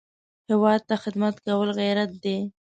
هېواد ته خدمت کول غیرت دی